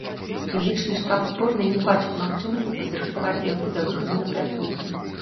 Медычны штаб зборнай не бачыць магчымасці падрыхтаваць яго да выхаду на пляцоўку.